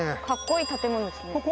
かっこいい建物ですね。